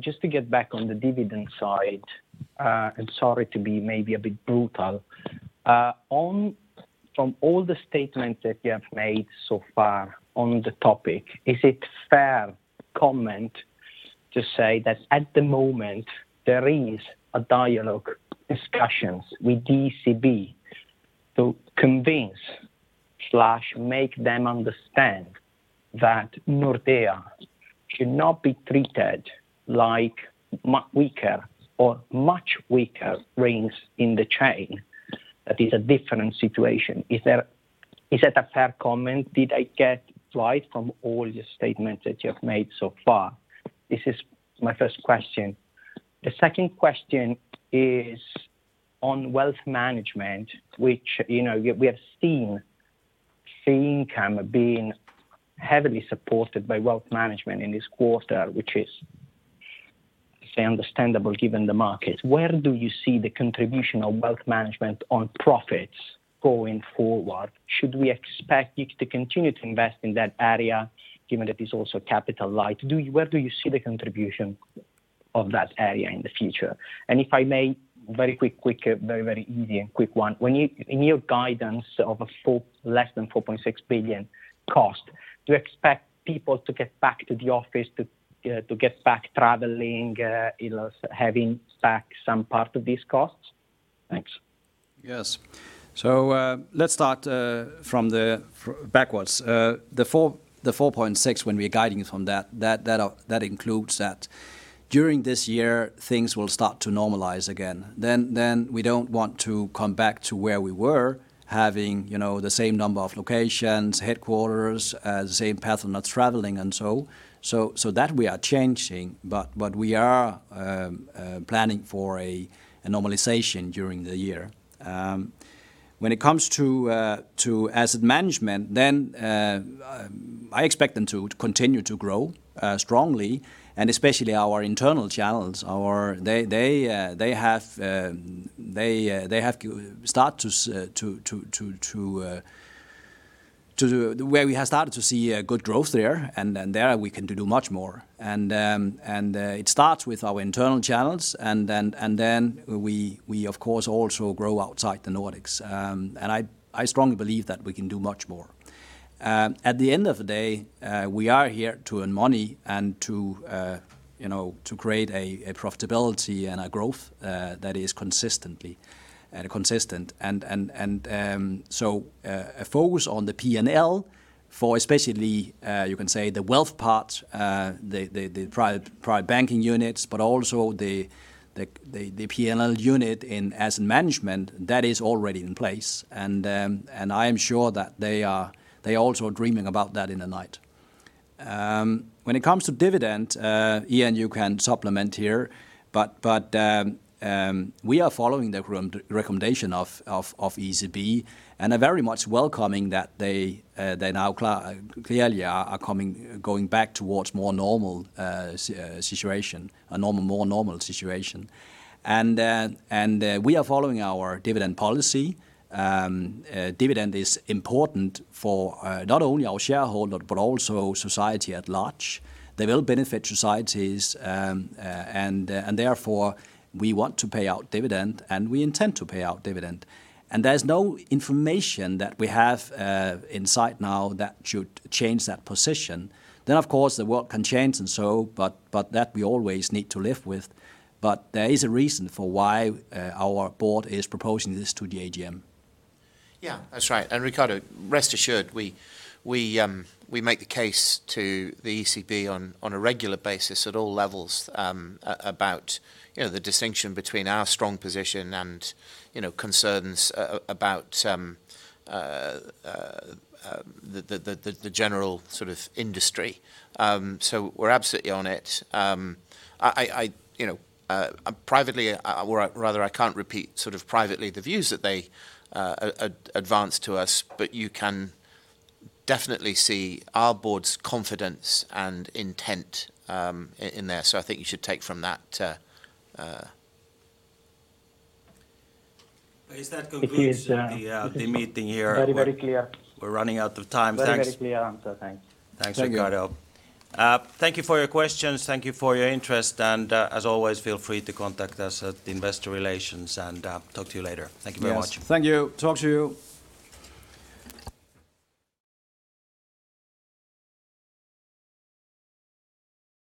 Just to get back on the dividend side, and sorry to be maybe a bit brutal. From all the statements that you have made so far on the topic, is it fair comment to say that at the moment, there is a dialogue, discussions with ECB to convince/make them understand that Nordea should not be treated like weaker or much weaker rings in the chain, that is a different situation. Is that a fair comment? Did I get it right from all your statements that you have made so far? This is my first question. The second question is on wealth management, which we have seen income being heavily supported by wealth management in this quarter, which is say understandable given the market. Where do you see the contribution of wealth management on profits going forward? Should we expect you to continue to invest in that area given that it's also capital light? Where do you see the contribution of that area in the future? If I may, very quick, very easy and quick one, in your guidance of less than 4.6 billion cost, do you expect people to get back to the office, to get back traveling, having back some part of these costs? Thanks. Yes. Let's start backwards. The 4.6 billion when we are guiding from that includes that during this year, things will start to normalize again. We don't want to come back to where we were, having the same number of locations, headquarters, same path on traveling and so. That we are changing, but we are planning for a normalization during the year. When it comes to asset management, I expect them to continue to grow strongly, and especially our internal channels. We have started to see good growth there, and there we can do much more. It starts with our internal channels, we of course also grow outside the Nordics. I strongly believe that we can do much more. At the end of the day, we are here to earn money and to create a profitability and a growth that is consistently and consistent. A focus on the P&L for especially, you can say the wealth part, the private banking units, but also the P&L unit Asset Management that is already in place. I am sure that they also are dreaming about that in the night. When it comes to dividend, Ian, you can supplement here, but we are following the recommendation of ECB and are very much welcoming that they now clearly are going back towards a more normal situation. We are following our dividend policy. Dividend is important for not only our shareholder but also society at large. They will benefit societies, and therefore we want to pay out dividend, and we intend to pay out dividend. There's no information that we have in sight now that should change that position. Of course, the world can change and so, but that we always need to live with. There is a reason for why our board is proposing this to the AGM. Riccardo, rest assured, we make the case to the ECB on a regular basis at all levels about the distinction between our strong position and concerns about the general industry. We're absolutely on it. Privately, or rather I can't repeat privately the views that they advance to us, but you can definitely see our board's confidence and intent in there. I think you should take from that. Yes, that concludes the meeting here. Very, very clear. We're running out of time. Thanks. Very, very clear answer. Thanks. Thanks, Riccardo. Thank you for your questions. Thank you for your interest, and as always, feel free to contact us at the investor relations and talk to you later. Thank you very much. Yes. Thank you. Talk to you.